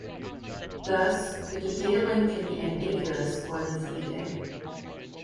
Thus, the detailing can be ambiguous or misleading.